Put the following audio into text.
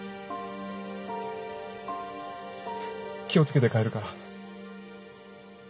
気を付けて帰るから。